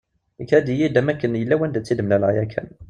Ikad-iyi-d am akken yella wanda i tt-id-mlaleɣ yakan.